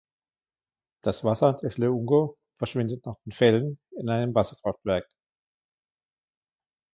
Das Wasser des Luongo verschwindet nach den Fällen in einem Wasserkraftwerk.